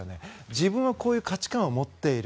自分はこういう価値観を持っている。